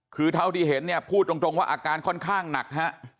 คือเท่าที่เห็นเนี่ยพูดตรงว่าอาการค่อนข้างหนักฮะ